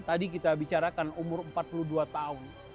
tadi kita bicarakan umur empat puluh dua tahun